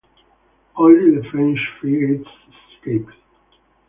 Only the French frigates escaped.